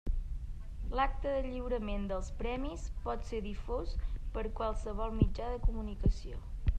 L'acte de lliurament dels Premis pot ser difós per qualsevol mitjà de comunicació.